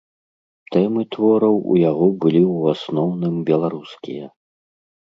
Тэмы твораў у яго былі ў асноўным беларускія.